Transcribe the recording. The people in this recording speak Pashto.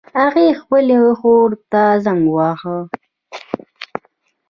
هغې خپلې خور ته زنګ وواهه